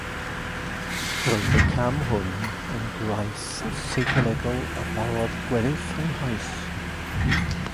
Roedd y cam hwn yn graith seicolegol a barodd gweddill ei hoes.